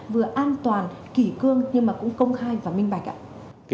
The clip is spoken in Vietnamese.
vừa an toàn kỷ cương nhưng mà cũng công khai và minh bạch ạ